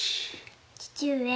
父上。